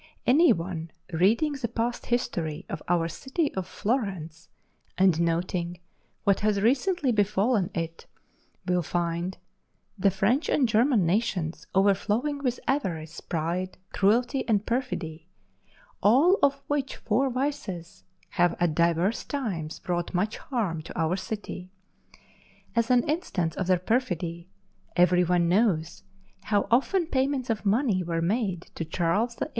Any one reading the past history of our city of Florence, and noting what has recently befallen it, will find the French and German nations overflowing with avarice, pride, cruelty, and perfidy, all of which four vices have at divers times wrought much harm to our city. As an instance of their perfidy, every one knows how often payments of money were made to Charles VIII.